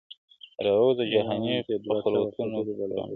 راووزه جهاني په خلوتونو پوره نه سوه!!